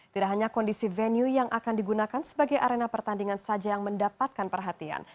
tidak hanya kondisi venue yang akan digunakan sebagai arena pertandingan saja yang mendapatkan perhatian